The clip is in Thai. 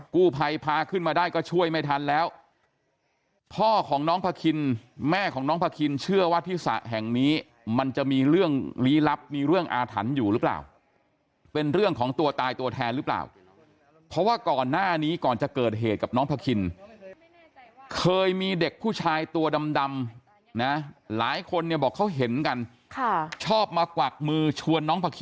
กู้ภัยพาขึ้นมาได้ก็ช่วยไม่ทันแล้วพ่อของน้องพาคินแม่ของน้องพาคินเชื่อว่าที่สระแห่งนี้มันจะมีเรื่องลี้ลับมีเรื่องอาถรรพ์อยู่หรือเปล่าเป็นเรื่องของตัวตายตัวแทนหรือเปล่าเพราะว่าก่อนหน้านี้ก่อนจะเกิดเหตุกับน้องพาคินเคยมีเด็กผู้ชายตัวดำนะหลายคนเนี่ยบอกเขาเห็นกันค่ะชอบมากวักมือชวนน้อง